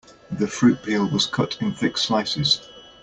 The fruit peel was cut in thick slices.